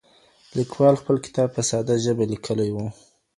لیکوال خپل کتاب په ساده ژبه لیکلی و.